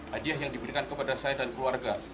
hadiah yang diberikan kepada saya dan keluarga